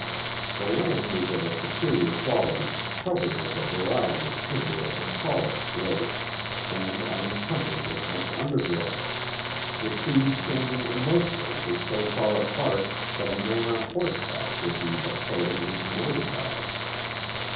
The land is of a superior quality, covered with a variety of timber of the tallest growth, and unincumbered with much undergrowth; the trees standing in most places so far apart, that a man on horse back would be but seldom incommoded by them.